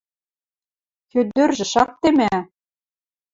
– Хӧдӧржӹ, шактемӓ.